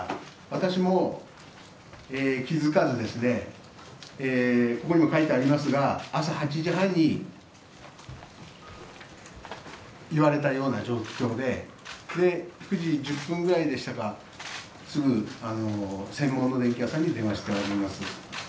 私も、気づかずここにも書いてありますが朝８時半に言われたような状況で、９時１０分ぐらいでしたかすぐ、専門の電気屋さんに連絡してあります。